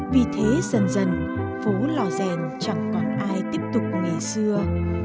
vì thế dần dần phố lò rèn chẳng còn ai tiếp tục ngày xưa